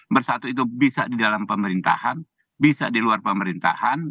bersatu itu bisa di dalam pemerintahan bisa di luar pemerintahan